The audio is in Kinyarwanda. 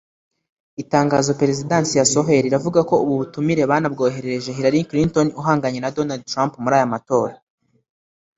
Itangazo Perezidansi yasohoye riravuga ko ubu butumire banabwoherereje Hillary Clinton uhanganye na Donald Trump muri aya matora